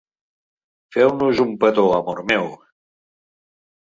Feu-nos un petó, amor meu.